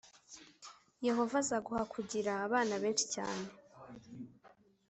Yehova azaguha kugira abana benshi cyane,